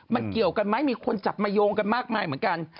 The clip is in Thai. มันเกี่ยวกันไหมมีคนจับมาโยงกันมากมายเหมือนกัน